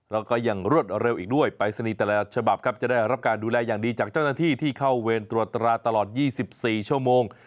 แล้วก็ยังรวดเร็วอีกด้วยปรายศนีย์แต่ละฉบับครับจะได้รับการดูแลอย่างดีจากเจ้าหน้าที่ที่เข้าเวรตรวจตราตลอด๒๔ชั่วโมง